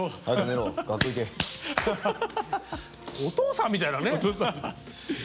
お父さんみたいだね。